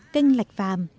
kênh lạch phàm